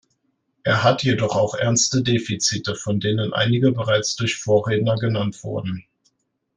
Er hat jedoch auch ernste Defizite, von denen einige bereits durch Vorredner genannt wurden.